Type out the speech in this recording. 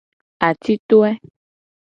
Atitoe.